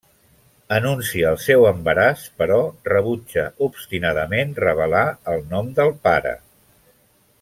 Anuncia el seu embaràs però rebutja obstinadament revelar el nom del pare.